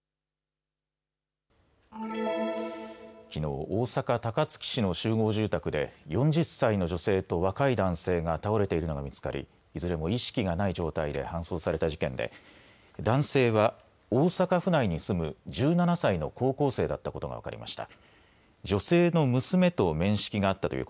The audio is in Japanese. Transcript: きのう、大阪高槻市の集合住宅で４０歳の女性と若い男性が倒れているのが見つかりいずれも意識がない状態で搬送された事件で男性は大阪府内に住む１７歳の高校生だったことが分かりました。